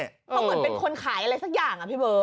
เขาเหมือนเป็นคนขายอะไรสักอย่างอะพี่เบิร์